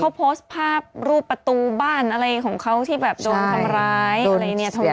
เขาโพสต์ภาพรูปประตูบ้านอะไรของเขาที่แบบโดนทำร้ายอะไรเนี่ย